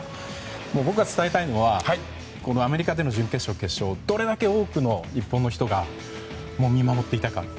もう、僕が伝えたいのはアメリカでの準決勝、決勝どれだけ多くの日本の人が見守っていたか。